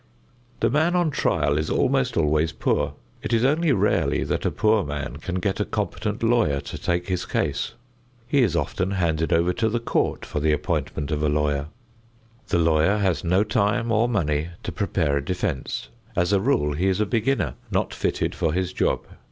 The man on trial is almost always poor. It is only rarely that a poor man can get a competent lawyer to take his case. He is often handed over to the court for the appointment of a lawyer. The lawyer has no time or money to prepare a defense. As a rule he is a beginner not fitted for his job.